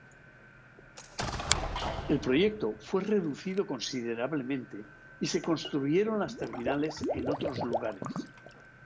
El proyecto fue reducido considerablemente, y se construyeron las terminales en otros lugares.